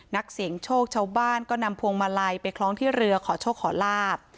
นักเสียงโชคชาวบ้านก็นำพวงมาลัยไปคล้องที่เรือขอโชคขอลาบ